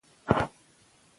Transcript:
لمر د کوټې پر دیوال لوېږي.